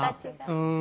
うん。